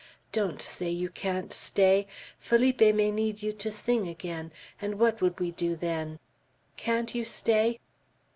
Don't say you can't stay! Felipe may need you to sing again, and what would we do then? Can't you stay?"